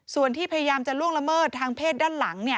ส่วนที่พยายามจะล่วงละเมิดทางเพศด้านหลัง